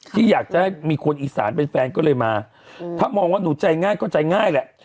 ที่อยากจะให้มีคนอีสานเป็นแฟนก็เลยมาถ้ามองว่าหนูใจง่ายก็ใจง่ายแหละ